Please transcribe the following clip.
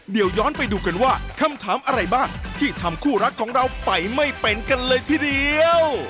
เดี๋ยวย้อนไปดูกันว่าคำถามอะไรบ้างที่ทำคู่รักของเราไปไม่เป็นกันเลยทีเดียว